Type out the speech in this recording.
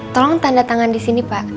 tolong tanda tangan disini pak